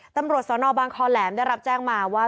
ตำรวจสนบางคอแหลมได้รับแจ้งมาว่า